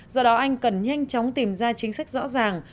do đó anh cần nhanh chóng tìm ra chính sách rõ ràng